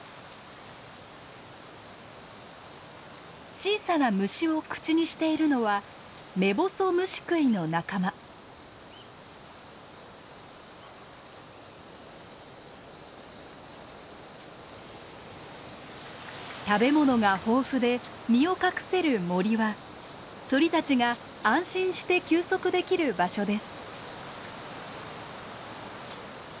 小さな虫を口にしているのは食べ物が豊富で身を隠せる森は鳥たちが安心して休息できる場所です。